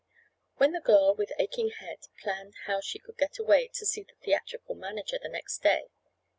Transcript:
Then the girl, with aching head, planned how she could get away to see the theatrical manager the next day.